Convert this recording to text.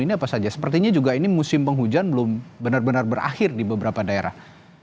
ini apa saja sepertinya juga ini musim penghujan belum benar benar berakhir di beberapa daerah